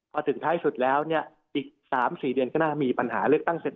พอถึงท้ายสุดแล้วเนี่ยอีก๓๔เดือนก็น่ามีปัญหาเลือกตั้งเสร็จ